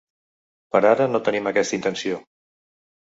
Per ara no tenim aquesta intenció.